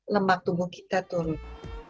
lemak tubuh kita turun